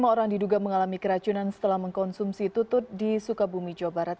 lima orang diduga mengalami keracunan setelah mengkonsumsi tutut di sukabumi jawa barat